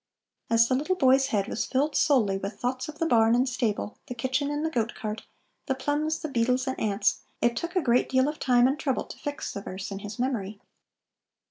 As the little boy's head was filled solely with thoughts of the barn and stable, the kitchen and the goat cart, the plums, the beetles and ants, it took a great deal of time and trouble to fix the verse in his memory.